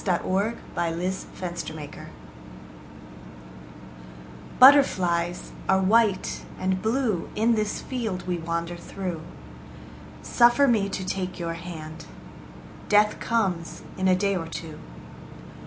Edna St. Vincent Millay Mariposa BUTTERFLIES are white and blue In this field we wander through. Suffer me to take your hand. Death comes in a day or two.